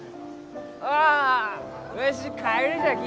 ああわしカエルじゃき！